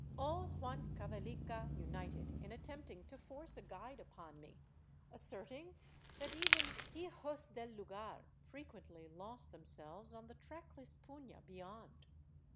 All Huancavelica united in attempting to force a guide upon me, asserting that even " hijos del lugar " frequently lost themselves on the trackless puna beyond.